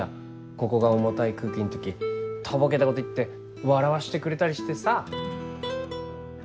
ここが重たい空気の時とぼけたこと言って笑わしてくれたりしてさ。